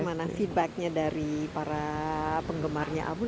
mana feedbacknya dari para penggemarnya album